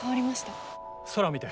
空を見て。